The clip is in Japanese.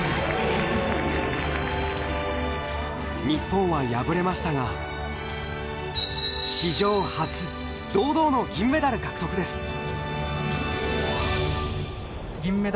日本は敗れましたが史上初堂々の銀メダル獲得です！